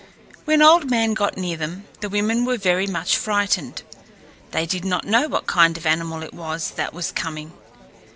When Old Man got near them, the women were very much frightened. They did not know what kind of animal it was that was coming.